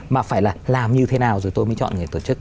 mà phải là làm như thế nào rồi tôi mới chọn người tổ chức